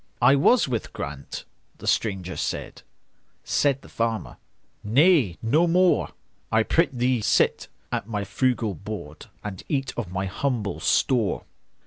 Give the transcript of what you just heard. "I was with Grant"—the stranger said; Said the farmer, "Nay, no more,—I prithee sit at my frugal board, And eat of my humble store.